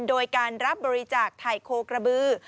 โดยการรับบริจาคไถ่โคกระบือ